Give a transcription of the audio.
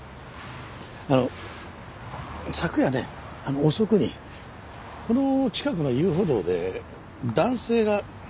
あの昨夜ね遅くにこの近くの遊歩道で男性が殺害されました。